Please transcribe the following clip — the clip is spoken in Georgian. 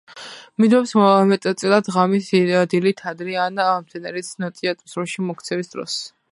მიმდინარეობს მეტწილად ღამით, დილით ადრე ან მცენარის ნოტიო ატმოსფეროში მოქცევის დროს.